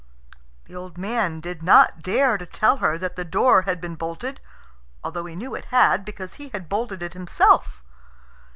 The old man did not dare to tell her that the door had been bolted, although he knew it had, because he had bolted it himself.